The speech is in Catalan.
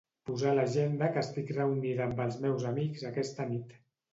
Posar a l'agenda que estic reunida amb els meus amics aquesta nit.